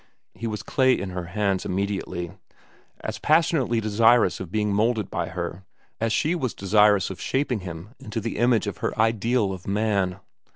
He was clay in her hands immediately, as passionately desirous of being moulded by her as she was desirous of shaping him into the image of her ideal of man.